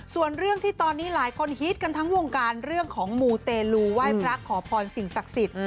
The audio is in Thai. ส่วนเรื่องที่ตอนนี้หลายคนฮิตกันทั้งวงการเรื่องของมูเตลูไหว้พระขอพรสิ่งศักดิ์สิทธิ์